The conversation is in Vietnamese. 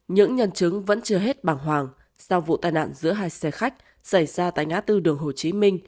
những nhân chứng vẫn chưa hết bằng hoàng sau vụ tai nạn giữa hai xe khách xảy ra tại ngã tư đường hồ chí minh